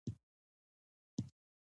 خان قرباغی د غزني اوسيدونکی وو